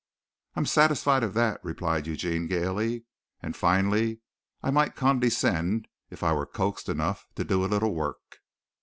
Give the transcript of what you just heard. "I'm satisfied of that," replied Eugene gaily. "And finally I might condescend, if I were coaxed enough, to do a little work."